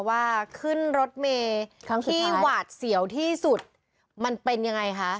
ว่าขึ้นรถเมย์ที่หวาดเสียวที่สุดมันเป็นยังไงคะ